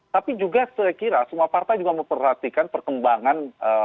tapi juga saya kira semua partai juga memperhatikan perkembangan